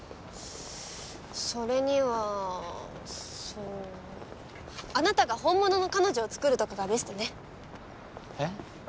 それにはそうあなたが本物の彼女を作るとかがベストねえっ？